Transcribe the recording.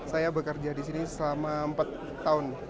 saya bekerja di sini selama empat tahun